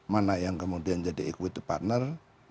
mana yang kemudian jadi equity partner